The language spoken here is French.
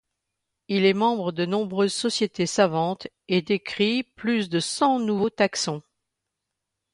Il est membre de nombreuses sociétés savantes et décrit plus de cents nouveaux taxons.